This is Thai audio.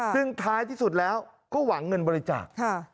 ซึ่งท้ายที่สุดแล้วก็หวังเงินบริจาค